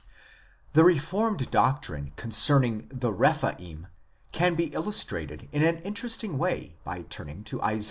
The reformed doctrine concerning the Rephaim can be illustrated in an interesting way by turning to Isa.